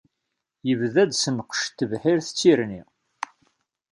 Yebda-d s nnqec n tebḥirt d tirni.